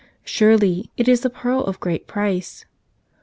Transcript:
Surely, it is the pearl of great price.